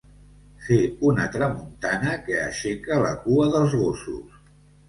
Fer una tramuntana que aixeca la cua dels gossos.